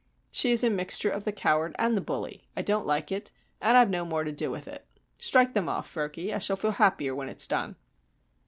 She is a mixture of the coward and the bully. I don't like it, and I've no more to do with it. Strike them off, Fergy. I shall feel happier when it's done."